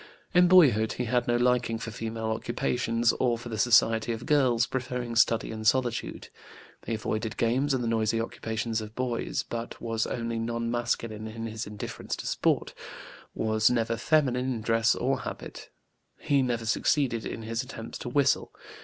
In boyhood he had no liking for female occupations, or for the society of girls, preferring study and solitude. He avoided games and the noisy occupations of boys, but was only non masculine in his indifference to sport, was never feminine in dress or habit. He never succeeded in his attempts to whistle.